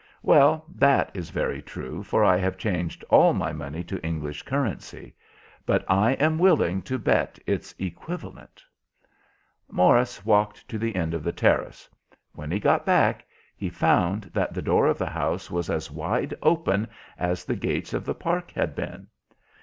"Well, that is very true, for I have changed all my money to English currency; but I am willing to bet its equivalent." Morris walked to the end of the terrace. When he got back he found that the door of the house was as wide open as the gates of the park had been.